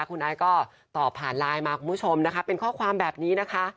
คุณไอซ์ก็ตอบผ่านไลน์มาคุณผู้ชมนะคะเป็นข้อความแบบนี้นะคะ